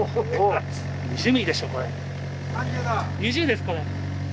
２０ですこれ。